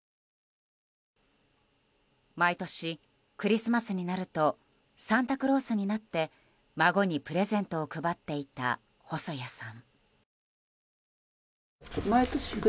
毎年、クリスマスになるとサンタクロースになって孫にプレゼントを配っていた細矢さん。